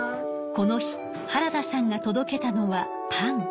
この日原田さんが届けたのはパン。